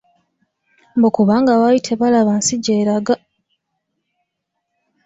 Mbu kubanga baali tebalaba nsi gy'eraga!